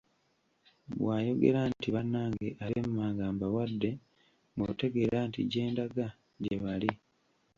Bw'ayogera nti;"Bannange ab'emmanga mbawadde", ng'otegeera nti, gye ndaga gye bali.